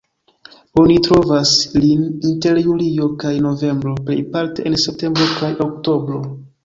Oni trovas lin inter julio kaj novembro, plejparte en septembro kaj oktobro.